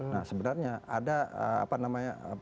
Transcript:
nah sebenarnya ada eee apa namanya eee perusahaan